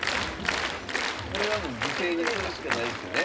これはもう犠牲にするしかないですよね。